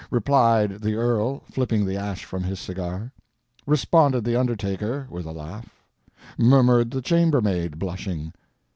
"... replied the Earl, flipping the ash from his cigar." "... responded the undertaker, with a laugh." "... murmured the chambermaid, blushing."